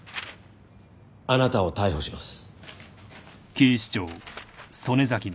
あなたを逮捕します。